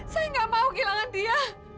saya nggak mau kehilangan dia